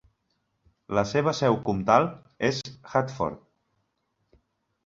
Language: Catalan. La seva seu comtal és Hartford.